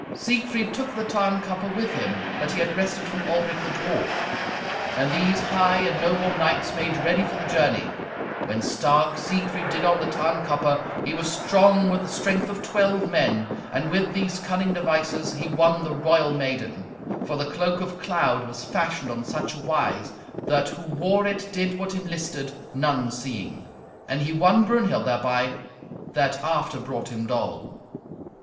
Siegfried took the Tarnkappe with him that he had wrested from Albric the dwarf. And these high and noble knights made ready for the journey. When stark Siegfried did on the Tarnkappe, he was strong with the strength of twelve men, and with these cunning devices he won the royal maiden; for the cloak of cloud was fashioned on such wise, that who wore it did what him listed, none seeing; and he won Brunhild thereby, that after brought him dole.